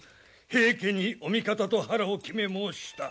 平家にお味方と腹を決め申した。